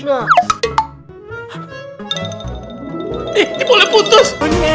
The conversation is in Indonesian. nih jempolnya putus